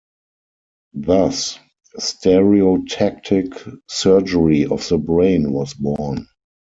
Thus, stereotactic surgery of the brain was born.